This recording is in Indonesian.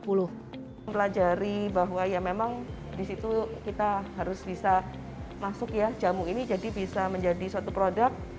mempelajari bahwa ya memang di situ kita harus bisa masuk ya jamu ini jadi bisa menjadi suatu produk